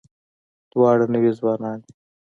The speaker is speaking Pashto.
دواړه نوي ځوانان دي.